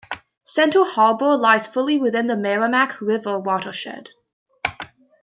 Center Harbor lies fully within the Merrimack River watershed.